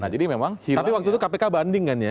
tapi waktu itu kpk banding kan ya